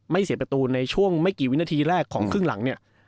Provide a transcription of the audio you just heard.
เสียประตูในช่วงไม่กี่วินาทีแรกของครึ่งหลังเนี่ย